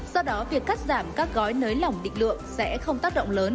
do đó việc cắt giảm các gói nới lỏng định lượng sẽ không tác động lớn